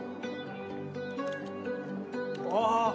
あ！